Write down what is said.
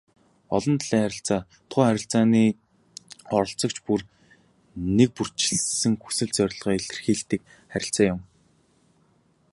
Олон талын харилцаа тухайн харилцааны оролцогч бүр нэгбүрчилсэн хүсэл зоригоо илэрхийлдэг харилцаа юм.